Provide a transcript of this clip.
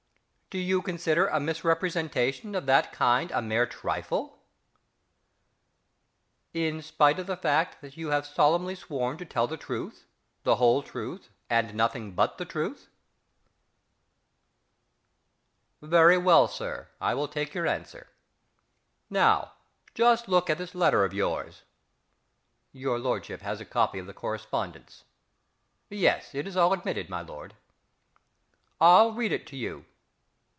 Do you consider a misrepresentation of that kind a mere trifle?... In spite of the fact that you have solemnly sworn to tell the truth, the whole truth and nothing but the truth?... Very well, Sir, I will take your answer. Now, just look at this letter of yours. (Your lordship has a copy of the correspondence.... Yes, it is all admitted, my lord.) I'll read it to you.